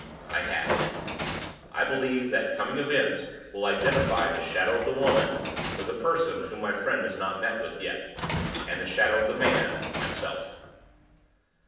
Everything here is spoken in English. "I have. I believe that coming events will identify the Shadow of the Woman with a person whom my friend has not met with yet; and the Shadow of the Man with myself."